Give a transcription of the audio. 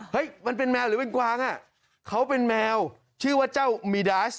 มันเป็นแมวหรือเป็นกวางอ่ะเขาเป็นแมวชื่อว่าเจ้ามีดาส